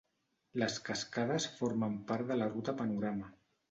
Les cascades formen part de la Ruta Panorama.